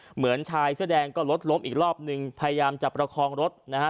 เหมือนชายเสื้อแดงก็รถล้มอีกรอบนึงพยายามจะประคองรถนะฮะ